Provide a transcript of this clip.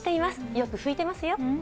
よく拭いてますよ。